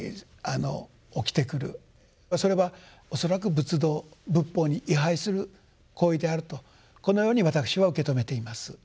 それは恐らく仏道仏法に違背する行為であるとこのように私は受け止めています。